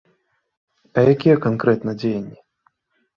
А якія канкрэтна дзеянні?